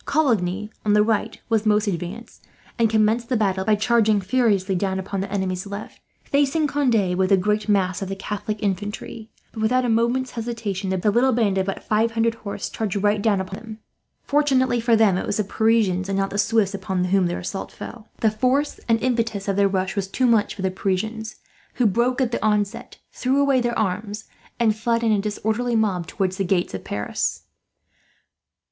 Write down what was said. Coligny, on the right, was most advanced, and commenced the battle by charging furiously down upon the enemy's left. Facing Conde were the great mass of the Catholic infantry but, without a moment's hesitation, the little band of but five hundred horse charged right down upon them. Fortunately for them it was the Parisians, and not the Swiss, upon whom their assault fell. The force and impetus of their rush was too much for the Parisians, who broke at the onset, threw away their arms, and fled in a disorderly mob towards the gates of Paris.